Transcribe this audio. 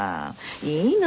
いいの？